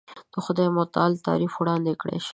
د خدای متعالي تعریف وړاندې کړای شي.